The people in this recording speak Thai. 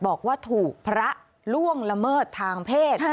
บอกว่าถูกพระล่วงละเมิดทางเพศ